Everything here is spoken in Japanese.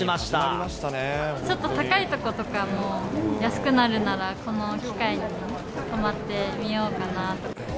ちょっと高い所とかも安くなるならこの機会に泊まってみようかなと。